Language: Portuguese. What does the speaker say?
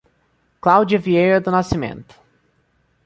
Cláudia Vieira do Nascimento